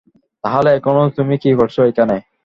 তাহলে এখনো তুমি কি করছো এখানে?